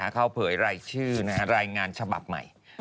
เขาเผยรายชื่อรายงานฉบับใหม่